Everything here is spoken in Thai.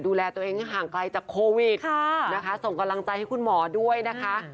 ดูแลตัวเองให้ห่างไกลจากโควิดนะคะส่งกำลังใจให้คุณหมอด้วยนะคะ